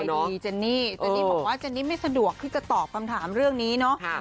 เจดีเจนนี่เจนนี่บอกว่าเจนนี่ไม่สะดวกที่จะตอบคำถามเรื่องนี้เนาะ